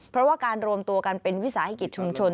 เพราะว่าการรวมตัวกันเป็นวิสาหกิจชุมชน